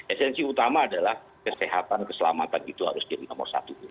esensi utama adalah kesehatan keselamatan itu harus jadi nomor satu